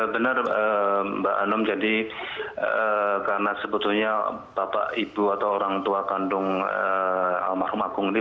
benar mbak anum jadi karena sebetulnya bapak ibu atau orang tua kandung almarhum agung ini